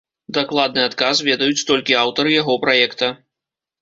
Дакладны адказ ведаюць толькі аўтары яго праекта.